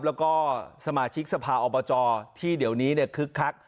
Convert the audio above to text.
แล้วก็สมาชิกสภาอบจที่เดี๋ยวนี้คึกคัก